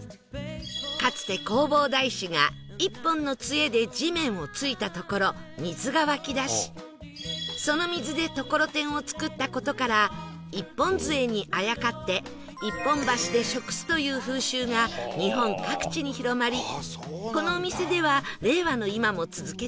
かつて弘法大師が１本の杖で地面を突いたところ水が湧き出しその水でトコロテンを作った事から一本杖にあやかって一本箸で食すという風習が日本各地に広まりこのお店では令和の今も続けているんだそう